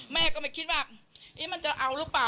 แม่ไม่คิดว่ามันจะเอ่อรู้ปะ